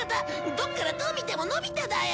どこからどう見てものび太だよ！